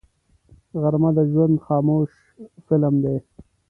غرمه د ژوند خاموش فلم دی